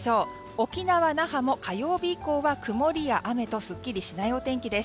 沖縄・那覇も火曜日以降は曇りや雨とすっきりしないお天気です。